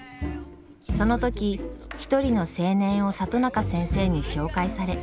その時一人の青年を里中先生に紹介され。